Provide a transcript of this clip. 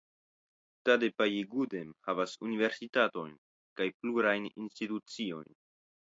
Tadepalligudem havas universitaton kaj plurajn instituciojn.